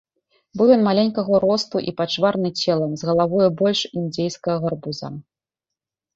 Быў ён маленькага росту і пачварны целам, з галавой больш індзейскага гарбуза.